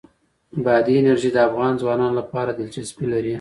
بادي انرژي د افغان ځوانانو لپاره دلچسپي لري.